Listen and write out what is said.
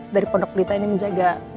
dari pondok berita ini menjaga